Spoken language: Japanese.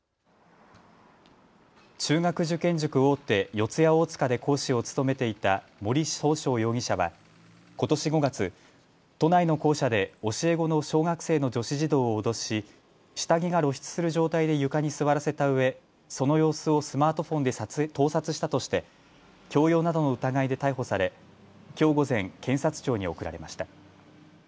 中学受験塾大手、四谷大塚で講師を務めていた森崇翔容疑者はことし５月、都内の校舎で教え子の小学生の女子児童を脅し下着が露出する状態で床に座らせたうえ、その様子をスマートフォンで盗撮したとして強要などの疑いで逮捕されきょう午前、検察庁に送られました。